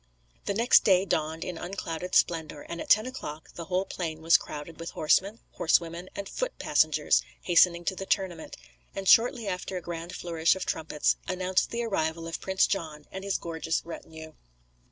The next day dawned in unclouded splendour, and at ten o'clock the whole plain was crowded with horsemen, horsewomen, and foot passengers, hastening to the tournament; and shortly after a grand flourish of trumpets announced the arrival of Prince John and his gorgeous retinue.